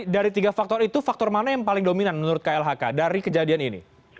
dari tiga faktor itu faktor mana yang paling dominan menurut klhk dari kejadian ini